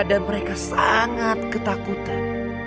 dan mereka sangat ketakutan